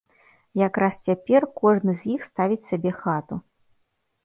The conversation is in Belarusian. Якраз цяпер кожны з іх ставіць сабе хату.